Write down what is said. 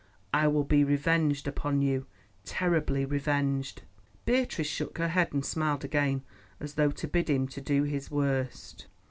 I will be revenged upon you—terribly revenged." Beatrice shook her head and smiled again, as though to bid him do his worst.